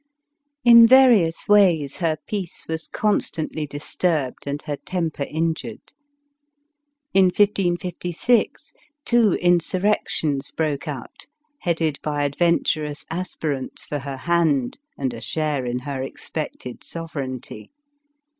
lu various ways her peace was constantly disturbed and her temper injured. In 1556, two insurrections broke out, headed by adventurous aspirants for her hand and a share in her expected sovereignty.